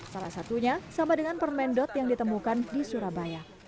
salah satunya sama dengan permendot yang ditemukan di surabaya